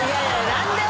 何で？